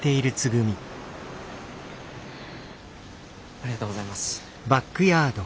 ありがとうございます。